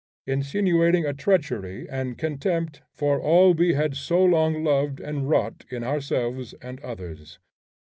insinuating a treachery and contempt for all we had so long loved and wrought in ourselves and others.